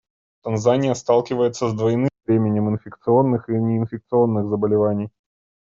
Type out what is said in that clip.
Танзания сталкивается с двойным бременем инфекционных и неинфекционных заболеваний.